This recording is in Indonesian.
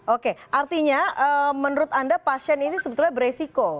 oke artinya menurut anda pasien ini sebetulnya beresiko